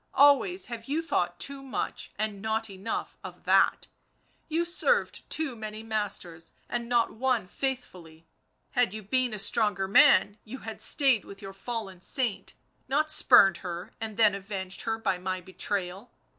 " Always have you thought too much, and not enough, of that; you served too many masters and not one faithfully; had you been a stronger man you had stayed with your fallen saint, not spurned her, and then avenged her by my betrayal."